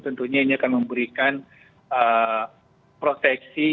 tentunya ini akan memberikan proteksi